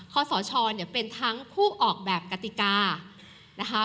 สชเนี่ยเป็นทั้งผู้ออกแบบกติกานะคะ